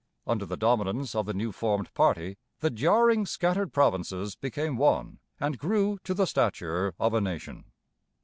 Under the dominance of the new formed party the jarring scattered provinces became one and grew to the stature of a nation.